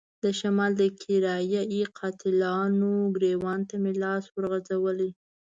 د شمال د کرايه ای قاتلانو ګرېوان ته مې لاس ورغځولی.